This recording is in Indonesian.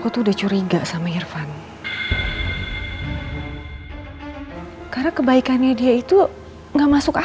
terus gini tuh